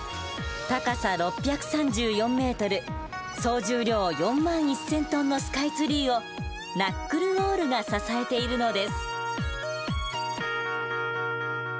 高さ６３４ｍ総重量４万１，０００ｔのスカイツリーをナックル・ウォールが支えているのです。